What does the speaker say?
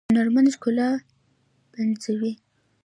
هنرمند ښکلا پنځوي